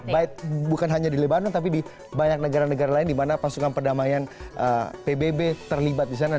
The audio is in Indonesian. baik bukan hanya di lebanon tapi di banyak negara negara lain di mana pasukan perdamaian pbb terlibat di sana